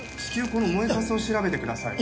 この燃えかすを調べてください。